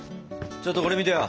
ちょっとこれ見てよ！